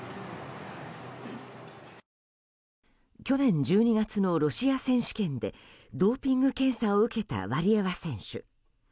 去年１２月のロシア選手権でドーピング検査を受けたワリエワ選手。